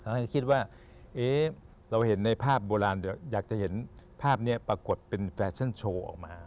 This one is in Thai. ให้คิดว่าเราเห็นในภาพโบราณเดี๋ยวอยากจะเห็นภาพนี้ปรากฏเป็นแฟชั่นโชว์ออกมา